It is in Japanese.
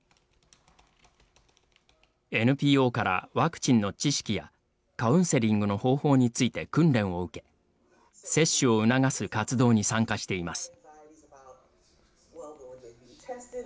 ＮＰＯからワクチンの知識やカウンセリングの方法について訓練を受け、接種を促す活動に参加しています。